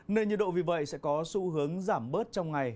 nên nhiệt độ vì vậy sẽ có xu hướng giảm bớt trong ngày